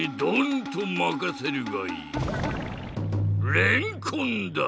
れんこんか。